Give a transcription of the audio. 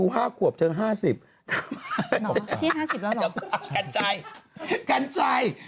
การใจการใจ